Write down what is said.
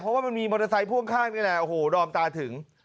เพราะว่ามันมีมอเตอร์ไซค์พ่วงข้างนี่แหละโอ้โหดอมตาถึง